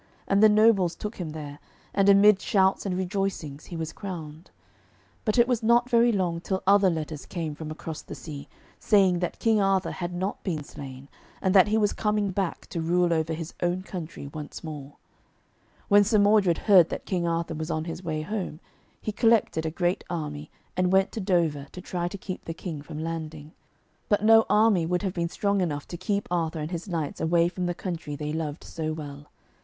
And the nobles took him there, and amid shouts and rejoicings he was crowned. But it was not very long till other letters came from across the sea, saying that King Arthur had not been slain, and that he was coming back to rule over his own country once more. When Sir Modred heard that King Arthur was on his way home, he collected a great army and went to Dover to try to keep the King from landing. But no army would have been strong enough to keep Arthur and his knights away from the country they loved so well.